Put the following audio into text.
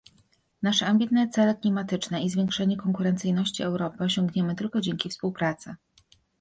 Nasze ambitne cele klimatyczne i zwiększenie konkurencyjności Europy osiągniemy tylko dzięki współpracy